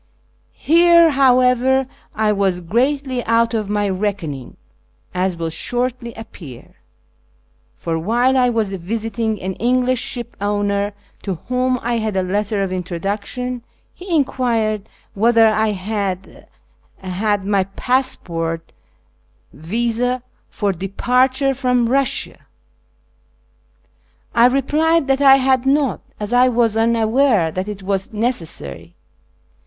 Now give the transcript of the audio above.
Here, however, I was greatly out of my reckoning, as will shortly appear ; for while I was visiting an English ship owner, to whom I had a letter of introduction, he enc[uired w^hether I had had my passport visd for departure from Eussia. I re plied that I had not, as I was unaware that it was necessary.